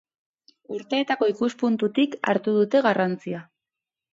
Urteetako ikuspuntutik hartu dute garrantzia.